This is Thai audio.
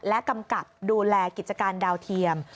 และกำกับดูแลกิจการดาวเทียม